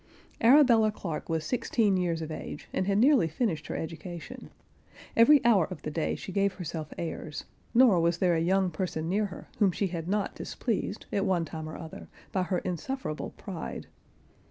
Arabella Clarke was sixteen years of age, and had nearly finished her education; every hour of the day she gave herself airs, nor was there a young person near her, whom she had not displeased, at one time or other, by her insufferable pride.